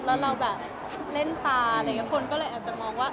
แล้วเราแบบเล่นตาคนก็เลยอาจจะมองว่า